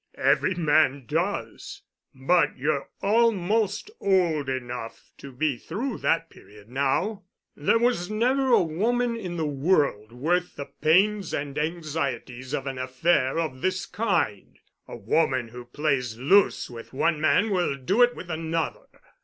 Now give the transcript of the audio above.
Every man does. But you're almost old enough to be through that period now. There was never a woman in the world worth the pains and anxieties of an affair of this kind. A woman who plays loose with one man will do it with another.